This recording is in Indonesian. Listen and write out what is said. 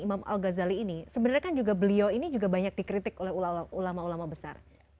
imam al ghazali ini sebenarnya kan juga beliau ini juga banyak dikritik oleh ulama ulama besar